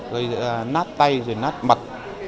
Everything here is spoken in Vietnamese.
gây ra nát tay rồi nát mặt